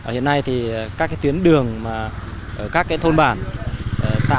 hiện nay thì các tuyến đường ở các thôn bản xã